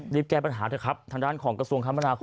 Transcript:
แก้ปัญหาเถอะครับทางด้านของกระทรวงคมนาคม